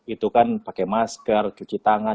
itu kan pakai masker cuci tangan